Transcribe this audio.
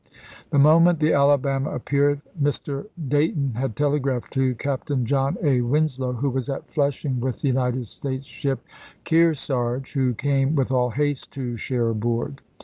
The moment the Alabama appeared Mr. Day ton had telegraphed to Captain John A. Winslow, who was at Flushing with the United States ship Kearsarge, who came with all haste to Cherbourg.